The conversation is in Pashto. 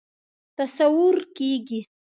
تصور کېږي.